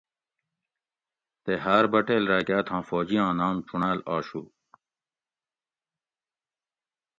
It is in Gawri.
تے ہاۤر بٹیل راۤکہ اتھاں فوجی آں نام چُونڑاۤل آشو